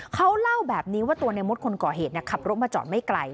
เขาเล่าแบบนี้ว่าตัวในมดคนก่อเหตุขับรถมาจอดไม่ไกล